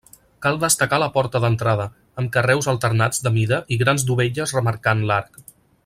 Cal destacar la porta d'entrada, amb carreus alternats de mida i grans dovelles remarcant l'arc.